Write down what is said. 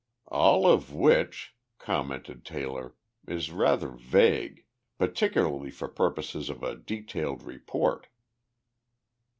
"All of which," commented Taylor, "is rather vague particularly for purposes of a detailed report."